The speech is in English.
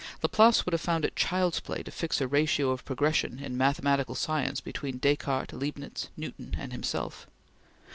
Laplace would have found it child's play to fix a ratio of progression in mathematical science between Descartes, Leibnitz, Newton, and himself.